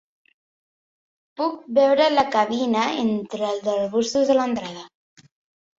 Puc veure la cabina entre els arbustos de l'entrada.